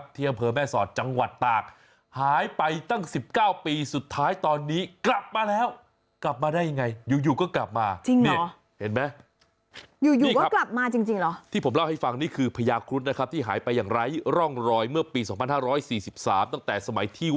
ที่ผมเล่าให้ฟังนี่คือพระยาคที่หายไปอย่างไร้